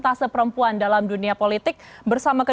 tapi tadi mereka yang ketinggalan dan mendar ukraine